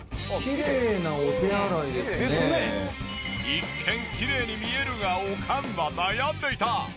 一見きれいに見えるがおかんは悩んでいた。